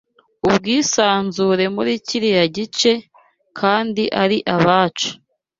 ubwisanzure muri kiriya gice kandi ari abacu